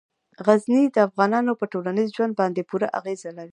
غزني د افغانانو په ټولنیز ژوند باندې پوره اغېز لري.